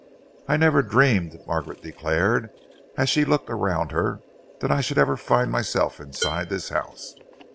"I never dreamed," Margaret declared, as she looked around her, "that I should ever find myself inside this house.